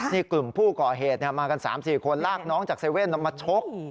นี่กลุ่มผู้ก่อเหตุมากัน๓๔คนลากน้องจาก๗๑๑มาชก